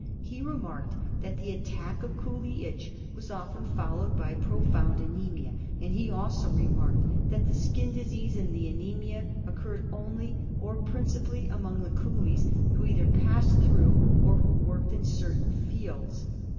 He remarked that the attack of Coolie itch was often followed by profound anaemia ; and he also remarked that the skin disease and the anaemia occurred only, or principally, among the coolies who either passed through or who worked in certain fields.